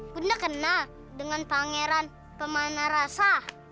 bunda kena dengan pangeran pemandang rasa